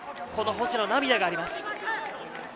この星の涙があります。